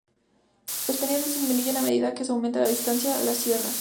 Las pendientes disminuyen a medida que se aumenta la distancia a las sierras.